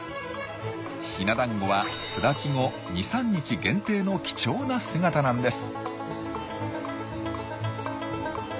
ヒナ団子は巣立ち後２３日限定の貴重な姿なんです。